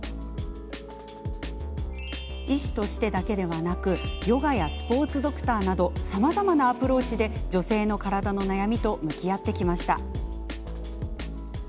医師としてだけでなくヨガやスポーツドクターなどさまざまなアプローチで女性の体の悩みと向き合ってきました。